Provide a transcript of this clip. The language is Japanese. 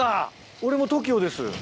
俺もＴＯＫＩＯです。